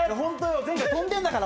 前回飛んでるんだから。